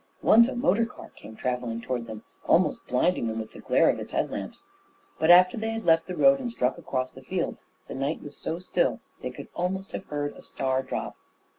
Once a motor car came travelling toward them, almost blinding them with the glare of its head lamps; but after they had left the road and struck across the fields the night was so still that they could almost have heard a star drop.